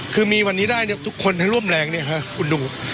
คือมีวันนี้ได้เนี่ยทุกคนให้ร่วมแรงเนี่ยฮะคุณดู